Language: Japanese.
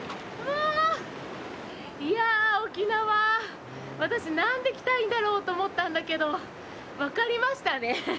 いや、沖縄、私、何で来たいんだろうと思ったんだけど、分かりましたね。